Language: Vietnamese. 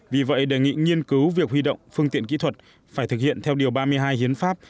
vì vậy đề nghị nghiên cứu việc huy động phương tiện kỹ thuật phải thực hiện theo điều ba mươi hai hiến pháp